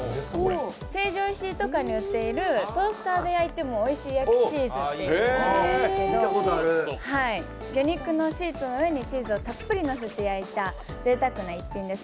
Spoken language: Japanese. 成城石井とかに売っているトースターで焼いてもおいしい焼チーズというものなんですけど、魚肉のシートの上にチーズをたっぷり乗せて焼いたぜいたくな一品です。